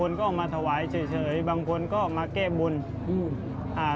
นี่เขาถวายอะไรกันครับ